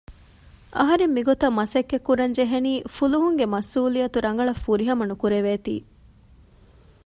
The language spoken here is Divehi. އަހަރެން މިގޮތަށް މަސައްކަތް ކުރަން ޖެހެނީ ފުލުހުންގެ މަސްއޫލިއްޔަތު ރަނގަޅަށް ފުރިހަމަ ނުކުރެވޭތީ